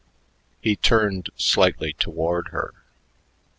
He turned slightly toward her.